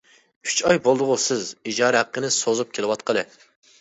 ئۈچ ئاي بولدىغۇ سىز ئىجارە ھەققىنى سوزۇپ كېلىۋاتقىلى!